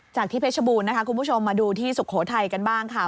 ที่เพชรบูรณ์นะคะคุณผู้ชมมาดูที่สุโขทัยกันบ้างค่ะ